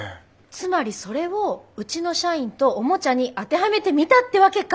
つまりそれをうちの社員とおもちゃに当てはめてみたってわけか。